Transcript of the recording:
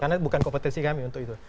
karena bukan kompetensi kami untuk itu